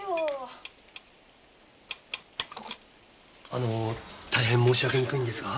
あの大変申し上げにくいのですが。